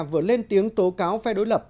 vừa lên tiếng tố cáo phe đối lập